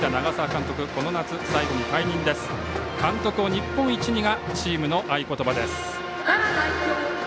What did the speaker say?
監督を日本一にがチームの合言葉です。